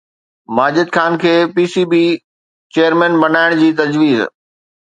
ماجد خان کي P C B chairman بڻائڻ جي تجويز